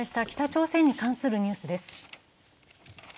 北朝鮮に関するニュースです。